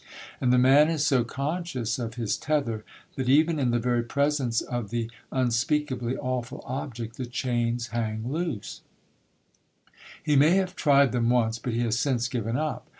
And the man is so conscious of his tether, that even in the very presence of the unspeakably awful object, the chains hang loose! He may have tried them once, but he has since given up.